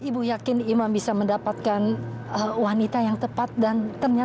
sampai jumpa di video selanjutnya